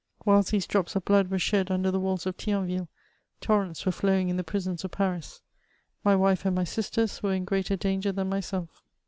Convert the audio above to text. Whilst these drops of blood were shed under the walls of Tnionville, torrents were flowing in the prisons of Paris ; my wife and my sisters were in greater danger than myself.